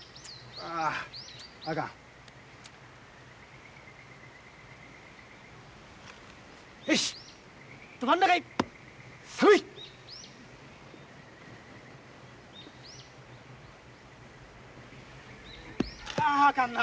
あああかんな。